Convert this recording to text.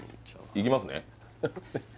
「いきますね」